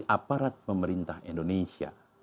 aparat pemerintah indonesia